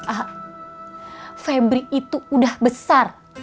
ah febri itu udah besar